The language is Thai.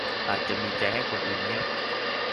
อาจจะมีใจให้คนอื่นเงียบ